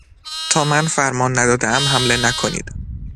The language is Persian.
تا من فرمان ندادهام حمله نکنید!